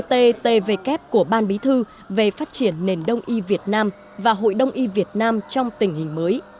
đề tề về kép của ban bí thư về phát triển nền đông y việt nam và hội đông y việt nam trong tình hình mới